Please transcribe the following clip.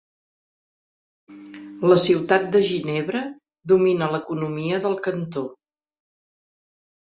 La ciutat de Ginebra domina l'economia del cantó.